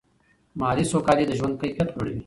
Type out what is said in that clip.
مالي سوکالي د ژوند کیفیت لوړوي.